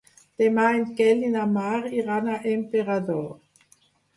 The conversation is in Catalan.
Demà en Quel i na Mar iran a Emperador.